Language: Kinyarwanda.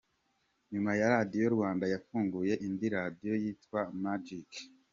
Nyuma ya Radiyo Rwanda yafunguye indi radiyo yitwa majike